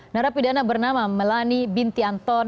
narapidana bernama melani binti anton